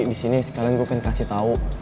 disini sekalian gue kan kasih tau